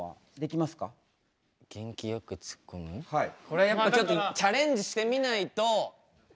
これまあちょっとチャレンジしてみないと。